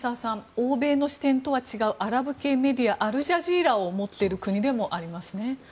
欧米の視点とは違うアラブ系メディアアルジャジーラを持っている国でもありますね。